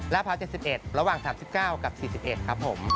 ล่าพร้าว๗๑บาทระหว่าง๓๙บาทกับ๔๑บาท